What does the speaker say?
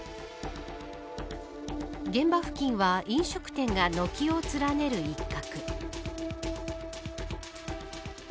現場付近は飲食店が軒を連ねる一角。